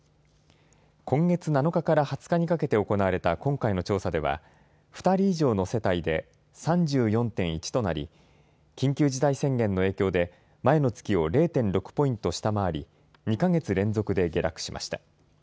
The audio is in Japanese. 今月７日から２０日にかけて行われた今回の調査では２人以上の世帯で３４．１となり緊急事態宣言の影響で前の月を０．６ポイント下回り２か月連続で下落しました。